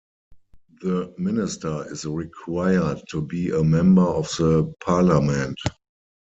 The Minister is required to be a member of the Parliament.